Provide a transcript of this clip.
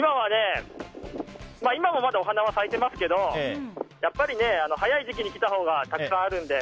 今もまだお花は咲いてますけども早い時期に来たほうがたくさんあるので